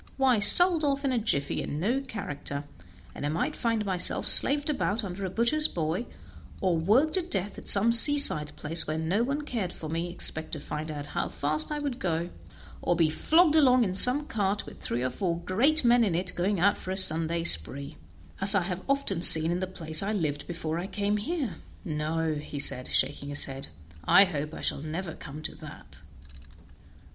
Why, sold off in a jiffy, and no character, and I might find myself slaved about under a butcher's boy, or worked to death at some seaside place where no one cared for me, except to find out how fast I could go, or be flogged along in some cart with three or four great men in it going out for a Sunday spree, as I have often seen in the place I lived in before I came here; no," said he, shaking his head, "I hope I shall never come to that."